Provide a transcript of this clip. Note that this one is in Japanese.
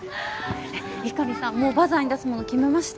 碇さん、もうバザーに出すもの決めました？